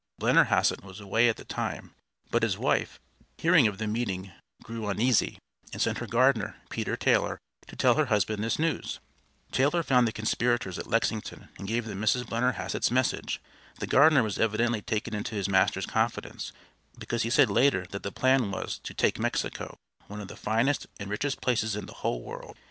Blennerhassett was away at the time, but his wife, hearing of the meeting, grew uneasy, and sent her gardener, Peter Taylor, to tell her husband this news. Taylor found the conspirators at Lexington, and gave them Mrs. Blennerhassett's message. The gardener was evidently taken into his master's confidence, because he said later that the plan was "to take Mexico, one of the finest and richest places in the whole world."